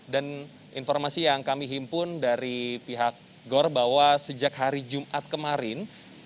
dan informasi yang kami himpun dari pihak gor bahwa sejak hari jumat kemarin